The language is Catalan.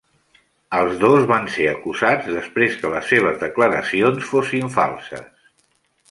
Els dos van ser acusats després que les seves declaracions fossin falses.